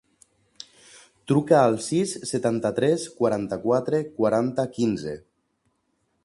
Truca al sis, setanta-tres, quaranta-quatre, quaranta, quinze.